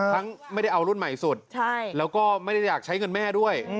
ไม่ได้เอารุ่นใหม่สุดแล้วก็ไม่ได้อยากใช้เงินแม่ด้วย